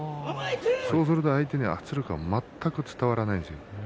そうすると相手に圧力が全く伝わらない。